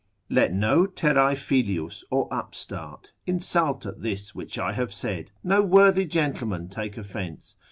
Let no terrae filius, or upstart, insult at this which I have said, no worthy gentleman take offence.